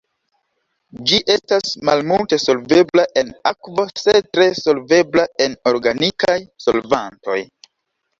Ĝi estas malmulte solvebla en akvo sed tre solvebla en organikaj solvantoj.